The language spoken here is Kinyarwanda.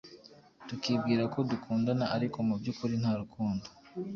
tukibwira ko dukundana ariko mu by’ukuri nta rukundo